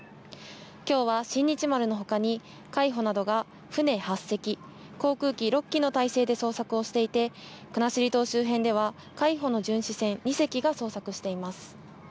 今日は「新日丸」のほかに海上保安庁などの船８隻航空機６機の態勢で捜索をしていて国後島周辺では海上保安庁の巡視船２隻が捜索しています。